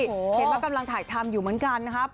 เห็นว่ากำลังถ่ายทำอยู่เหมือนกันนะครับ